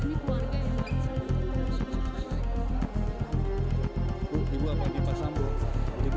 ibu apanya pak sambu bu